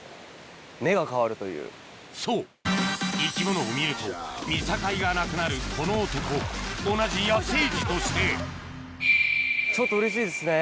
そう生き物を見ると見境がなくなるこの男同じ野性児としてちょっとうれしいですね